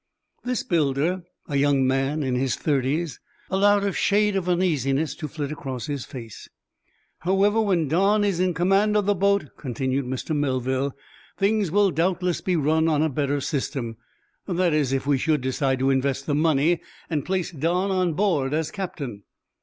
This builder, a young man in his thirties, allowed a shade of uneasiness to flit across his face. "However, when Don is in command of the boat," continued Mr. Melville, "things will doubtless be run on a better system. That is, if we should decide to invest the money and place Don on board as captain."